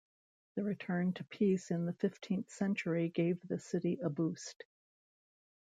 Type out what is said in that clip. The return to peace in the fifteenth century gave the city a boost.